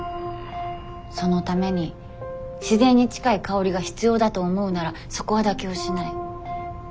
そのために自然に近い香りが必要だと思うならそこは妥協しない。